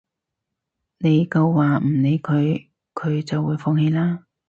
你夠話唔理佢，佢就會放棄啦